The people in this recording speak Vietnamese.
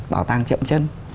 bảo tàng chậm chân